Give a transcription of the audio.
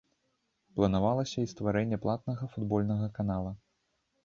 Планавалася і стварэнне платнага футбольнага канала.